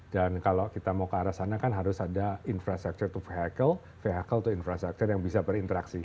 dan kalau kita mau ke arah sana kan harus ada infrastructure to vehicle vehicle to infrastructure yang bisa berinteraksi